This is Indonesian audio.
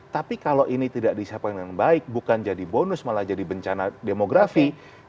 tapi kalau ini tidak disiapkan dengan baik bukan jadi bonus demografi